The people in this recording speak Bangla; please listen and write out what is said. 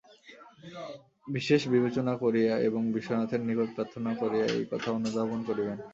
বিশেষ বিবেচনা করিয়া এবং বিশ্বনাথের নিকট প্রার্থনা করিয়া এই কথা অনুধাবন করিবেন।